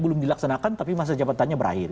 belum dilaksanakan tapi masa jabatannya berakhir